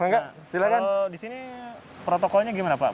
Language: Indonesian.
kalau di sini protokolnya gimana pak